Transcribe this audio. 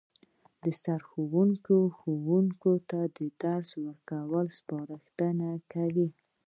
سرښوونکی ښوونکو ته د درس ورکولو سپارښتنه کوي